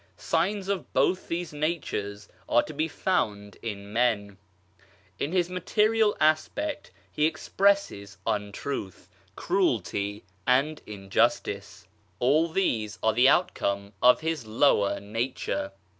Signs of both these natures are to be found in men. In his material aspect he expresses untruth, cruelty and injustice ; all these are the outcome of his 54 TWO NATURES IN MAN lower nature.